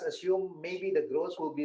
perkembangan jakarta mungkin